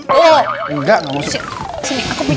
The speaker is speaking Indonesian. kamu masuk angin